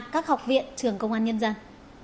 các học viện trường công an nhân dân